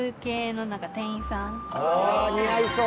ああ似合いそう！